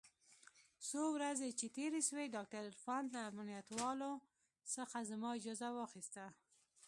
څو ورځې چې تېرې سوې ډاکتر عرفان له امنيت والاو څخه زما اجازه واخيسته.